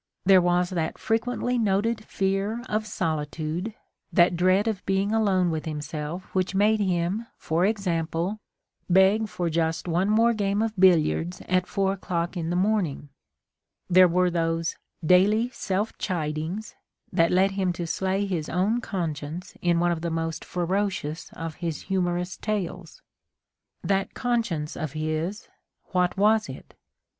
There was that frequently noted fear_of_sditude, that dread of being alone with himself which made him, for example, beg for just one more game of billiards at 4 o'clock in the morning^ There were those "daily self chidings" that led him to slay his own conscience in one of the most ferocious of his hmnorous tales. That conscience of his — what was it?